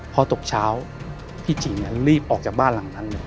พอตกเช้าพี่จีรีบออกจากบ้านหลังนั้นเลย